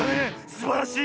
すばらしい。